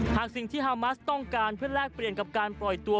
หากสิ่งที่ฮามัสต้องการเพื่อแลกเปลี่ยนกับการปล่อยตัว